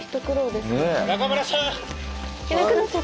中村さん！